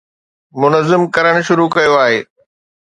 منظم ڪرڻ شروع ڪيو آهي.